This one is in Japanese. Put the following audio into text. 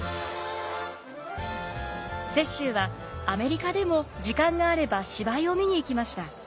雪洲はアメリカでも時間があれば芝居を見に行きました。